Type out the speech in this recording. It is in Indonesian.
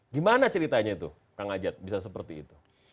gimana ceritanya itu kang ajat bisa seperti itu